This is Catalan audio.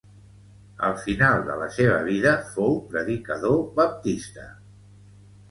Al final de la seva vida fou predicador baptista